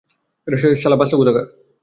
শালা বাচাল কোথাকার!